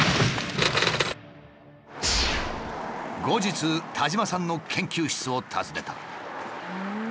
後日田島さんの研究室を訪ねた。